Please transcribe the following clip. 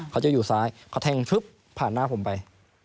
เขาจะอยู่ซ้ายเขาแทงฟึ๊บผ่านหน้าผมไป